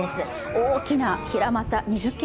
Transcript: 大きなヒラマサ、２０ｋｇ